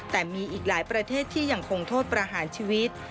แต่มีอีกหลายประเทศที่ยังคงโทษประหารชีวิต